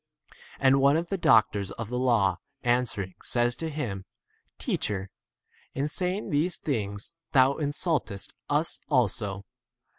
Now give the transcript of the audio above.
And one of the doctors of the law answering says to him, Teacher, in saying these things 46 thou insult est us also.